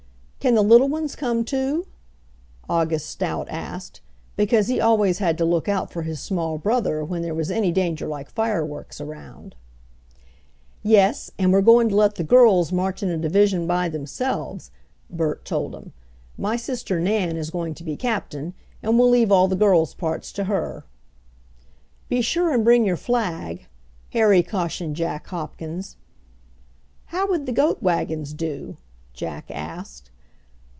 "Can the little ones come too?" August Stout asked, because he always had to look out for his small brother when there was any danger like fireworks around. "Yes, and we're goin' to let the girls march in a division by themselves," Bert told him. "My sister Nan is going to be captain, and we'll leave all the girls' parts to her." "Be sure and bring your flag," Harry cautioned Jack Hopkins. "How would the goat wagons do?" Jack asked.